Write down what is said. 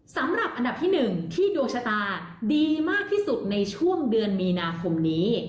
สำหรับอันดับที่๑ที่ดวงชะตาดีมากที่สุดในช่วงเดือนมีนาคมนี้